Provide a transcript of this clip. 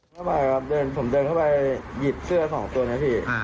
ผมเดินเข้าไปหยิบเสื้อ๒ตัวนะพี่